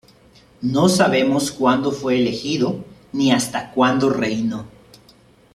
No sabemos cuando fue elegido ni hasta cuando reinó.